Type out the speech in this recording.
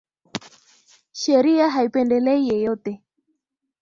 Sheria haipendelei yeyote